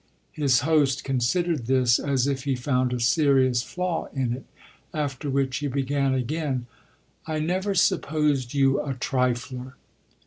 His host considered this as if he found a serious flaw in it; after which he began again: "I never supposed you a trifler."